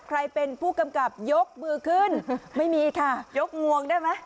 ใครเป็นผู้กำกับยกมือขึ้นไม่มีค่ะยกงวงได้ไหม